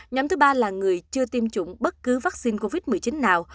nhóm thứ ba là người chưa tiêm chủng bất cứ vaccine covid một mươi chín nào